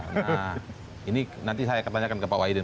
nah ini nanti saya tanyakan ke pak wadidin